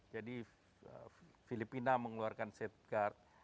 jadi filipina mengeluarkan safeguard